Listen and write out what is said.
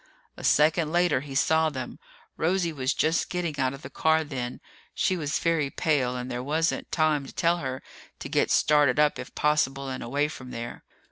A second later, he saw them. Rosie was just getting out of the car then. She was very pale and there wasn't time to tell her to get started up if possible and away from there.